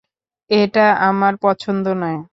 এটা আমার পছন্দ নয়।